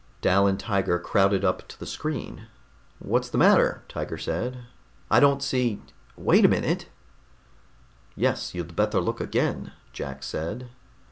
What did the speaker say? Dal and Tiger crowded up to the screen. "What's the matter?" Tiger said. "I don't see ... wait a minute!" "Yes, you'd better look again," Jack said.